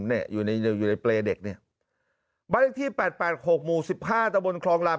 เนี่ยอยู่ในอยู่ในเปรย์เด็กเนี่ยบ้านเลขที่แปดแปดหกหมู่สิบห้าตะบนคลองราม